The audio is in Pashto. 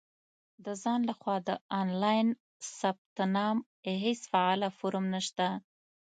• د ځان له خوا د آنلاین ثبت نام هېڅ فعاله فورم نشته.